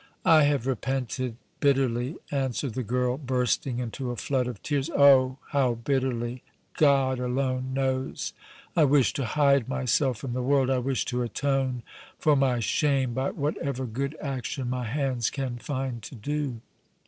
"I have repented bitterly," answered the girl, bursting into a flood of tears, "oh! how bitterly God alone knows! I wish to hide myself from the world; I wish to atone for my shame by whatever good action my hands can find to do."